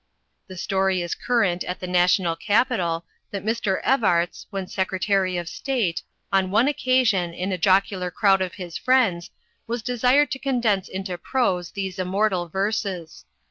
The story is current at the national capital that Mr. Evarts, when Secretary of State, on one occasion, in a jocular crowd of his friends, was desired to condense into prose these immortal verses.